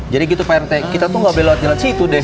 jadi gitu pak rt kita tuh nggak boleh lewat jalan situ deh